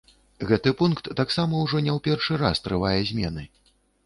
Гэты пункт таксама ўжо не ў першы раз трывае змены.